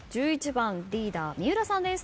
１１番リーダー三浦さんです。